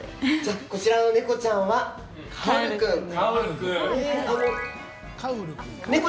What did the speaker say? こちらのネコちゃんはカウル君。